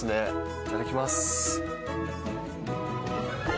いただきます。